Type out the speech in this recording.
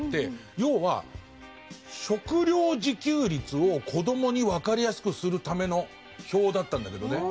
要は食料自給率を子供にわかりやすくするための表だったんだけどね。